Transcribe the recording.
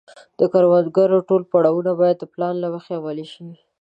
د کروندې ټول پړاوونه باید د پلان له مخې عملي شي.